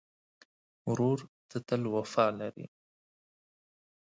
ورور ته تل وفا لرې.